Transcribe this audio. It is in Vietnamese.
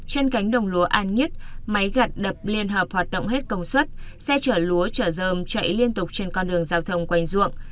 trên cánh đồng lúa an nhất máy gặt đập liên hợp hoạt động hết công suất xe chở lúa chở dơm chạy liên tục trên con đường giao thông quanh ruộng